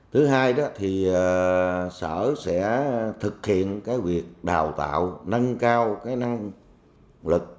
thứ hai đó thì sở sẽ thực hiện cái việc đào tạo nâng cao cái năng lực